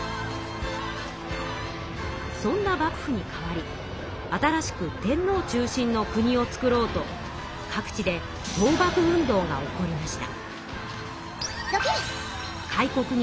そんな幕府に代わり新しく天皇中心の国を造ろうと各地で倒幕運動が起こりました。